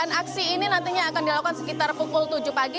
dan aksi ini nantinya akan dilakukan sekitar pukul tujuh pagi